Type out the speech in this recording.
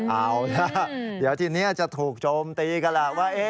เอาล่ะเดี๋ยวทีนี้จะถูกโจมตีกันแหละว่า